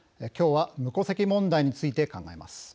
きょうは無戸籍問題について考えます。